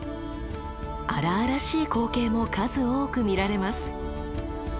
荒々しい光景も数多く見られます。